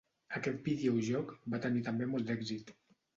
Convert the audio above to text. Aquest videojoc va tenir també molt d'èxit.